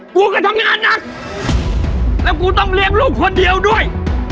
กูก็ทำงานหนักแล้วกูต้องเลี้ยงลูกคนเดียวด้วย